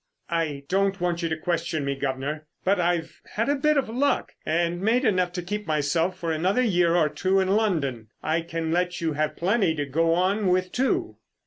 "I don't want you to question me, guv'nor, but I've had a bit of luck and made enough to keep myself for another year or two in London. I can let you have plenty to go on with, too."